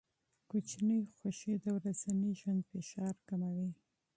کوچني خوښۍ د ورځني ژوند فشار کموي.